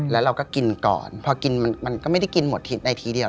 แล้วเราก็กินก่อนพอกินมันก็ไม่ได้กินหมดทิศในทีเดียว